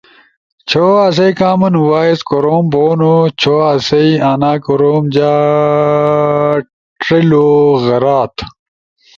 چھو اسو کامن وائس کوروم بونو چھو اسائی انا کوروم جا ڇلو غرات